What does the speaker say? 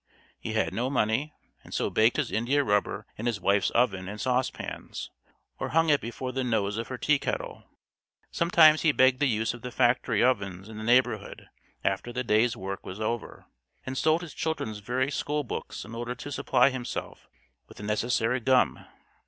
He had no money, and so baked his India rubber in his wife's oven and saucepans, or hung it before the nose of her tea kettle. Sometimes he begged the use of the factory ovens in the neighborhood after the day's work was over, and sold his children's very school books in order to supply himself with the necessary gum.